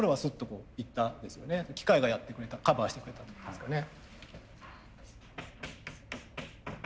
機械がやってくれたカバーしてくれたっていうんですかね。